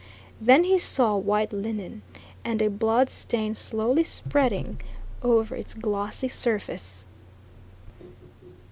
Then he saw white linen, and a bloodstain slowly spreading over its glossy surface.